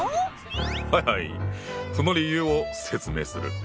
はいはいその理由を説明する！